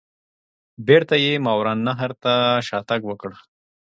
بیرته یې ماوراء النهر ته شاته تګ وکړ.